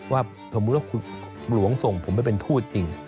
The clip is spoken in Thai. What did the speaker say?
ว่าสมมุติว่าคุณหลวงส่งผมไปเป็นทูตจริง